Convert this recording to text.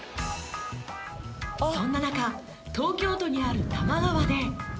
そんな中東京都にある多摩川で。